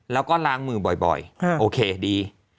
แล้วก็ล้างมือบ่อยโอเคดี